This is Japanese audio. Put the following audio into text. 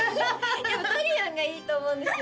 ドリアンがいいと思うんですよ